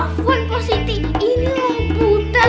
buan positi ini loh butet